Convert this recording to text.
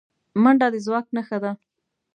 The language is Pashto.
منډه د ځواک نښه ده